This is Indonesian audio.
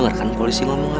mereka pun begitu kbanding